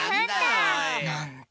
なんだ。